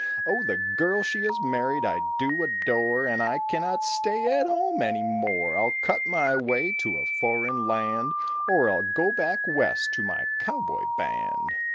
Oh, the girl she is married I do adore, And I cannot stay at home any more; I'll cut my way to a foreign land Or I'll go back west to my cowboy band.